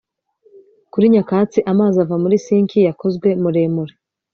Kuri nyakatsi amazi ava muri sink yakozwe muremure